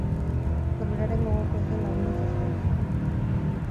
Norberaren gogoko ez den lagunaz ezkontzea.